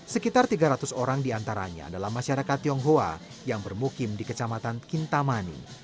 sekitar tiga ratus orang diantaranya adalah masyarakat tionghoa yang bermukim di kecamatan kintamani